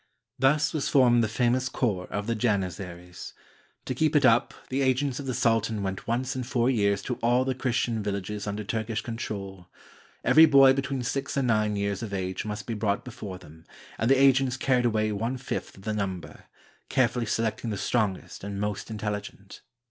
Thus was formed the famous corps of the Janizaries. To keep it up, the agents of the sultan went once in four years to all the Christian villages under Turkish control. Every boy between six and nine years of age must be brought before them, and the agents carried away one fifth of the number, carefully selecting the strongest and most intelligent.